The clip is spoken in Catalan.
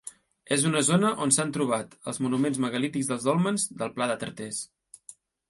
És una zona on s'han trobat els monuments megalítics dels Dòlmens del Pla de Tarters.